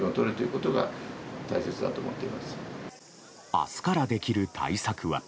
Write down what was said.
明日からできる対策は。